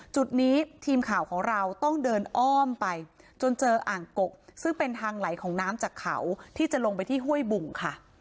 จุดนี้ทีมข่าวของเราต้องเดินอ้อมไปจนเจออ่างกกซึ่งเป็นทางไหลของน้ำจากเขาที่จะลงไปที่ห้วยบุ่งค่ะ